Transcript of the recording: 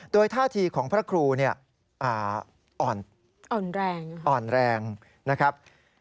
โดยท่าทีของพระครูอ่อนแรงนะครับ